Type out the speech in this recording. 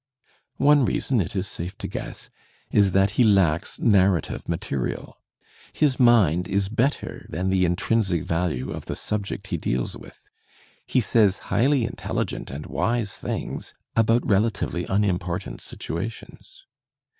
One reason, it is safe to guess, is that he lacks narrative material; his mind is better than the intrinsic value of the subject he deals with; he says highly intelligent and wise things about relatively unimportant situations.